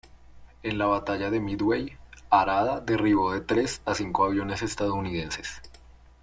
En la batalla de Midway, Harada derribó de tres a cinco aviones estadounidenses.